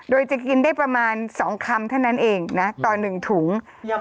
โดยจะกินได้ประมาณ๒คำเท่านั้นเองนะต่อ๑ถุง